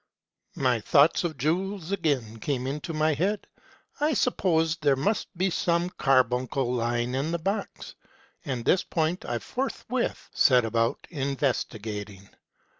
My thoughts of jewels again came into my head : I supposed there must be some carbuncle lying in the box, and this point I forthwith set about investigating.